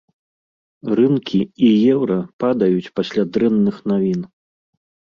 Рынкі і еўра падаюць пасля дрэнных навін.